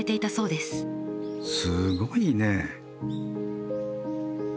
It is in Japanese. すごいね。